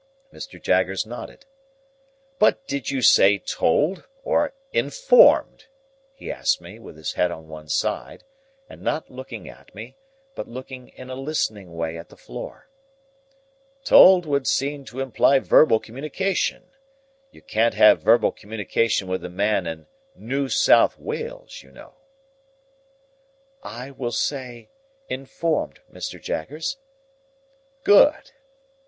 Mr. Jaggers nodded. "But did you say 'told' or 'informed'?" he asked me, with his head on one side, and not looking at me, but looking in a listening way at the floor. "Told would seem to imply verbal communication. You can't have verbal communication with a man in New South Wales, you know." "I will say, informed, Mr. Jaggers." "Good."